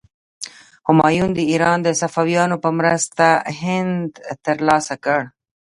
همایون د ایران د صفویانو په مرسته هند تر لاسه کړ.